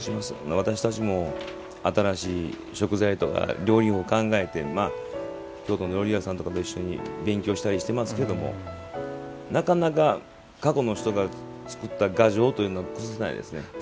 私たちも新しい食材料理法を考えて京都の料理屋さんと一緒に勉強してますけれどもなかなか過去の人が作った牙城というのを崩せないですね。